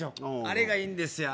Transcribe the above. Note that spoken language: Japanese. あれがいいんですよ